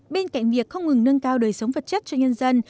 bên cạnh việc không ngừng nâng cao đời sống vật chất cho nhân dân